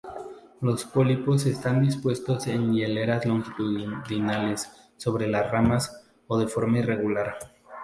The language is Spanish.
Los pólipos están dispuestos en hileras longitudinales sobre las ramas, o de forma irregular.